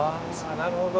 あなるほど。